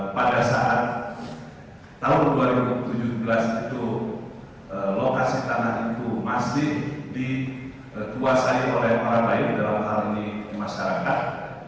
pada saat tahun dua ribu tujuh belas itu lokasi tanah itu masih dikuasai oleh orang lain dalam hal ini masyarakat